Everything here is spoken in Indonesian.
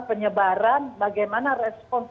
penyebaran bagaimana respons